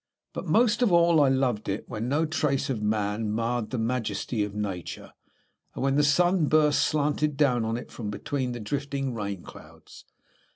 But most of all I loved it when no trace of man marred the majesty of Nature, and when the sun bursts slanted down on it from between the drifting rainclouds.